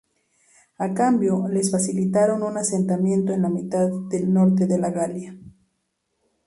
A cambio, les facilitaron un asentamiento en la mitad norte de la Galia.